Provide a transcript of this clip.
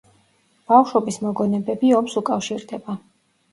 ბავშვობის მოგონებები ომს უკავშირდება.